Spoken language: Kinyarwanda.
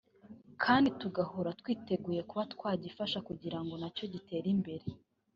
kandi tugahora twiteguye kuba twagifasha kugira ngo nacyo gitere imbere